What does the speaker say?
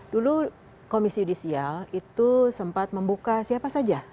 dulu komisi yudisial itu sempat membuka siapa saja